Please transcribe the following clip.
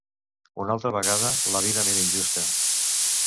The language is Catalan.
Una altra vegada, la vida m'era injusta.